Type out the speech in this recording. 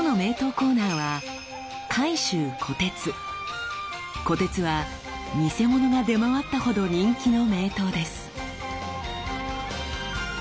コーナーは虎徹は偽物が出回ったほど人気の名刀です。